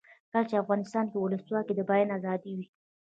کله چې افغانستان کې ولسواکي وي د بیان آزادي وي.